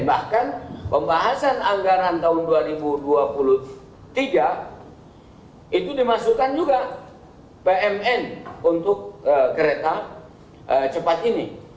bahkan pembahasan anggaran tahun dua ribu dua puluh tiga itu dimasukkan juga pmn untuk kereta cepat ini